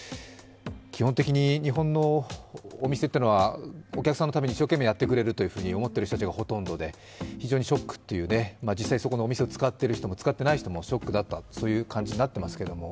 基本的に日本のお店というのはお客さんのために一生懸命にやってくれると思う人がほとんどで非常にショックっていう、実際にそこのお店を使ってる人も使っていない人もショックだった、そういう感じになっていますけれども。